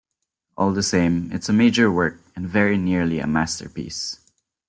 All the same it's a major work and very nearly a masterpiece...